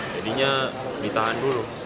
jadinya ditahan dulu